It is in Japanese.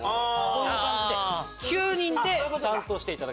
こういう感じで９人で担当していただければいい。